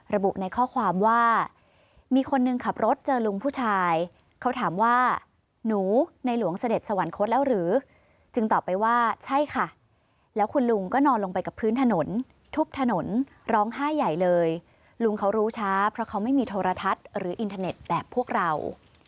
ระบุในข้อความว่ามีคนหนึ่งขับรถเจอลุงผู้ชายเขาถามว่าหนูในหลวงเสด็จสวรรคตแล้วหรือจึงตอบไปว่าใช่ค่ะแล้วคุณลุงก็นอนลงไปกับพื้นถนนทุบถนนร้องไห้ใหญ่เลยลุงเขารู้ช้าเพราะเขาไม่มีโทรทัศน์หรืออินเทอร์เน็ตแบบพวกเรา